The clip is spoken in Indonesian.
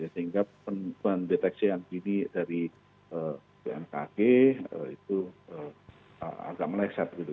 sehingga pendeteksi yang dini dari bmkg itu agak meleset gitu